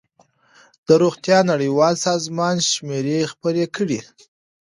د روغتیا نړیوال سازمان شمېرې خپرې کړې.